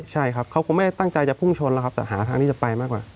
ใช่ครับเขาคงไม่ได้ตั้งใจจะพุ่งชนแล้วครับแต่หาทางที่จะไปมากกว่า